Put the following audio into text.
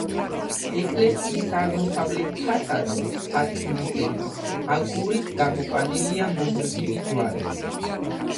ეკლესიის აღმოსავლეთ ფასადზე, სარკმლის ზემოთ აგურით გამოყვანილია მოზრდილი ჯვარი.